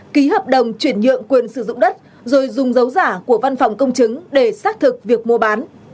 ký hợp đồng chuyển nhượng quyền sử dụng đất rồi dùng dấu giả của văn phòng công chứng để xác thực việc mua bán